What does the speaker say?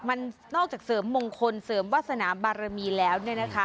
มันนอกจากเสริมมงคลเสริมวาสนาบารมีแล้ว